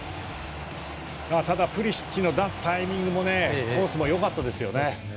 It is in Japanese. ただ、プリシッチの出すタイミングもコースもよかったですよね。